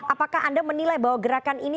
apakah anda menilai bahwa gerakan ini